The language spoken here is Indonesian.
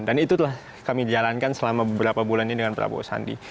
dan itulah kami jalankan selama beberapa bulannya dengan prabowo sandi